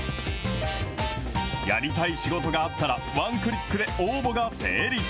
やりたい仕事があったら、ワンクリックで応募が成立。